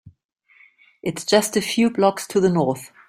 It’s just a few blocks to the North.